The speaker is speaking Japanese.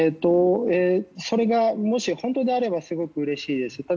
それがもし本当であればすごくうれしいです。